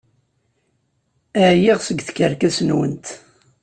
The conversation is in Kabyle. Ɛyiɣ seg tkerkas-nwent!